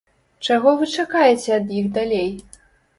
Чаго вы чакаеце ад іх далей?